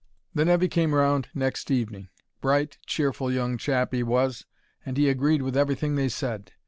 The nevy came round next evening. Bright, cheerful young chap 'e was, and he agreed with everything they said.